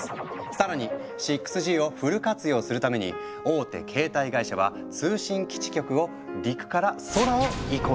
さらに６Ｇをフル活用するために大手携帯会社は通信基地局を陸から空を移行中。